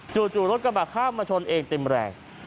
จู่รถกระบาดข้ามมาชนเองติดแรง